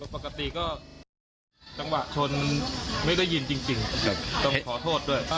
ปกติก็จังหวะชนไม่ได้ยินจริงต้องขอโทษด้วย